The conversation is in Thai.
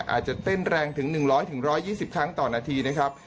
อาจจะเต้นแรงถึง๑๐๐๑๒๐ครั้งต่อนาทีนะครับ